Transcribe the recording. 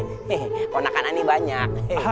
konakan aneh banyak